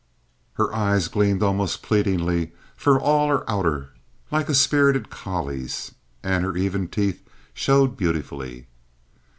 Her eyes gleamed almost pleadingly for all her hauteur, like a spirited collie's, and her even teeth showed beautifully.